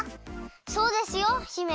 そうですよ姫。